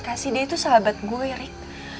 kasih dia tuh sahabat gue rick